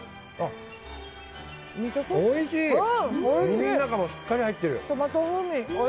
耳の中もしっかり入ってる。